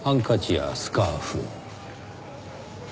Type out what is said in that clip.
スカーフ。